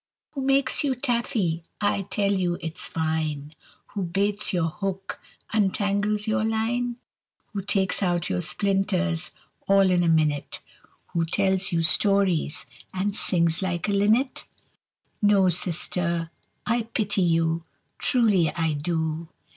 Who makes you taffy? (I tell you it's fine!) Who baits your hook, Untangles your line? Who takes out your splinters, All in a minute? Who tells you stories, And sings like a linnet? No sister! I pity you, Truly I do.